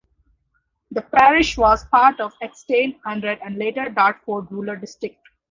The parish was part of Axstane Hundred and later Dartford Rural District.